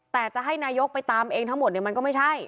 แต่จะให้นายกไปตามเองทั้งหมดเนี่ยมันก็ไม่ใช่